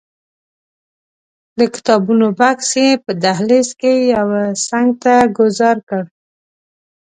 د کتابونو بکس یې په دهلیز کې یوه څنګ ته ګوزار کړ.